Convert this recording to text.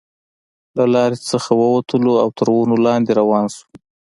له لارې څخه وو وتلو او تر ونو لاندې روان شوو.